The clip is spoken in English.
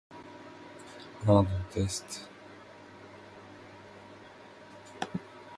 It is a significant center of finance, education, culture and commerce.